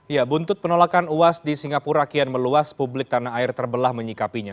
ya buntut penolakan uas di singapura kian meluas publik tanah air terbelah menyikapinya